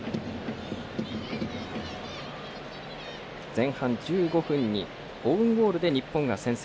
前半１５分にオウンゴールで日本が先制。